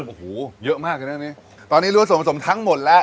โอ้โหเยอะมากเลยนะนี่ตอนนี้รู้สมสมทั้งหมดแล้ว